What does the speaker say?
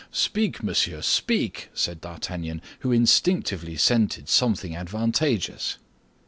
"Speak, monsieur, speak," said D'Artagnan, who instinctively scented something advantageous.